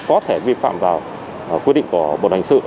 có thể vi phạm vào quy định của bộ đoàn hình sự